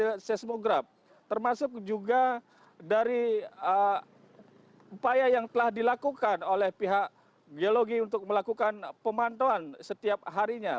dari seismograf termasuk juga dari upaya yang telah dilakukan oleh pihak geologi untuk melakukan pemantauan setiap harinya